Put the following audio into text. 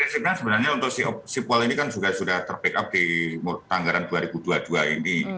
sebenarnya untuk sipol ini kan sudah ter pick up di tanggalan dua ribu dua puluh dua ini